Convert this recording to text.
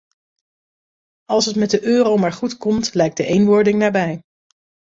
Als het met de euro maar goed komt, lijkt de eenwording nabij.